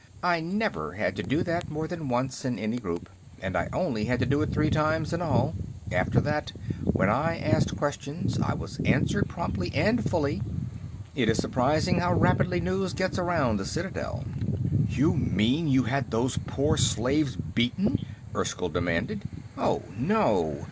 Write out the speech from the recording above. "I never had to do that more than once in any group, and I only had to do it three times in all. After that, when I asked questions, I was answered promptly and fully. It is surprising how rapidly news gets around the Citadel." "You mean you had those poor slaves beaten?" Erskyll demanded. "Oh, no.